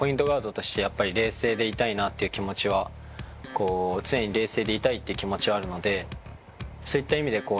ガードとしてやっぱり冷静でいたいなっていう気持ちは常に冷静でいたいっていう気持ちはあるのでそういった意味で。